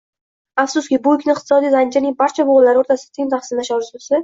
Afsuski, bu yukni iqtisodiy zanjirning barcha bo'g'inlari o'rtasida teng taqsimlash orzusi